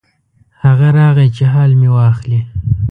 هغه راغی چې حال مې واخلي.